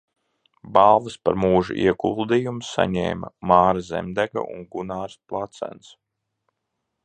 Balvas par mūža ieguldījumu saņēma Māra Zemdega un Gunārs Placēns.